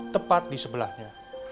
tepat di sebelahnya